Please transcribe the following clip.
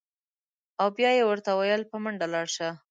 او بیا یې ورته ویل: په منډه لاړ شه.